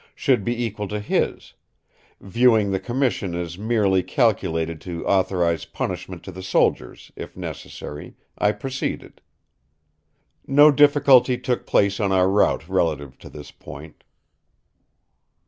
should be equal to his; viewing the Commission as mearly calculated to authorise punishment to the soldiers if necessary, I proceeded. No difficulty took place on our rout relative to this point...."